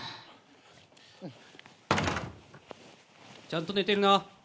・・ちゃんと寝てるな？